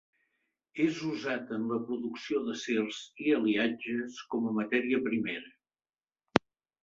És usat en la producció d'acers i aliatges com a matèria primera.